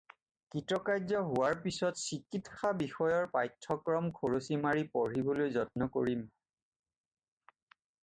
কৃতকাৰ্য হােৱাৰ পিছত চিকিৎসা বিষয়ৰ পাঠ্যক্ৰম খৰচি মাৰি পঢ়িবলৈ যত্ন কৰিম।